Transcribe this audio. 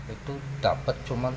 itu dapat cuma tujuh belas orang